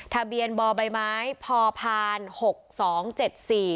ทะเบียนบ่อใบไม้พอพานหกสองเจ็ดสี่